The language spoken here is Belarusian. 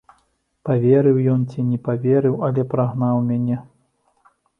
Паверыў ён ці не паверыў, але прагнаў мяне.